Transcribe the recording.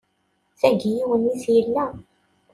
Tagi yiwen-is yella.